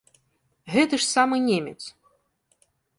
Гэты ж самы немец!